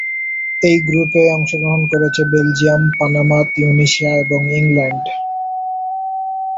এই গ্রুপে অংশগ্রহণ করছে বেলজিয়াম, পানামা, তিউনিসিয়া এবং ইংল্যান্ড।